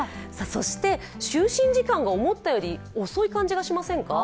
就寝時間が思ったより遅い感じがしませんか？